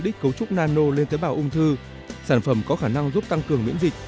đích cấu trúc nano lên tế bào ung thư sản phẩm có khả năng giúp tăng cường miễn dịch